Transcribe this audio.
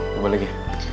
gue balik ya